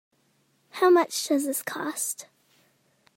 How much does this cost?